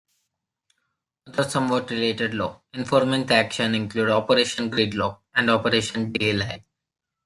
Other somewhat-related law enforcement actions include Operation Gridlock and Operation D-Elite.